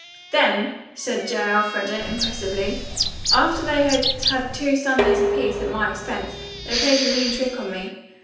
"Then," said J. Elfreda impressively, "after they had had two sundaes apiece, at my expense, they played a mean trick on me.